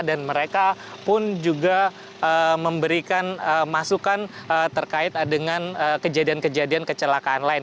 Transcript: dan mereka pun juga memberikan masukan terkait dengan kejadian kejadian kecelakaan lain